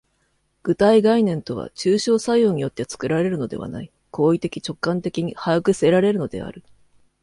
具体概念とは抽象作用によって作られるのではない、行為的直観的に把握せられるのである。